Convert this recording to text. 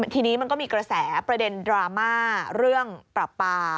ทีนี้มันก็มีกระแสประเด็นดราม่าเรื่องปราปา